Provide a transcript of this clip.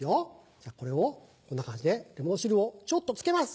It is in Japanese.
じゃこれをこんな感じでレモン汁をちょっとつけます。